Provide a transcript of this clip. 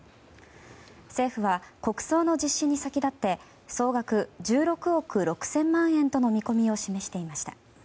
政府は、国葬の実施に先立って総額１６億６０００万円との見込みを示していました。